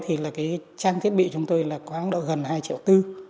thì trang thiết bị của chúng tôi là khoảng độ gần hai triệu bốn